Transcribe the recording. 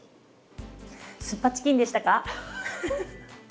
酢っぱチキンでしたか？